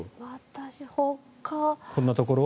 私、ほかは。